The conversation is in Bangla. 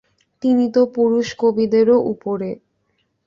তিনি তো পুরুষ কবিদেরও উপরে।